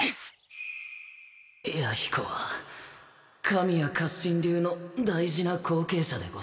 弥彦は神谷活心流の大事な後継者でござる